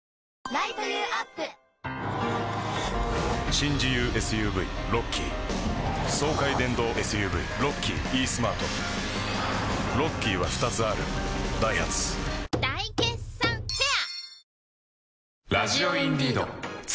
新自由ＳＵＶロッキー爽快電動ＳＵＶロッキーイースマートロッキーは２つあるダイハツ大決算フェア